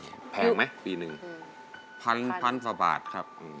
แพงไหมปีนึงพันส่วนบาทครับ